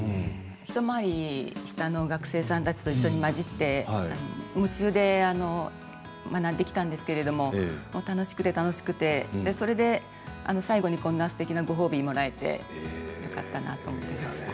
一回り下の学生さんたちと一緒に交じって夢中で学んできたんですけれども楽しくて楽しくて、それで最後にこんなすてきなご褒美もらえてよかったなと思います。